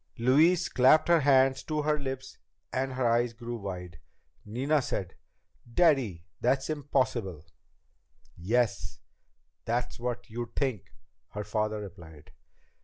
Louise clapped her hand to her lips and her eyes grew wide. Nina said, "Daddy! That's impossible!" "Yes, that's what you'd think," her father replied.